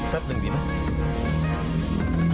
แป๊บนึงดีมั้ย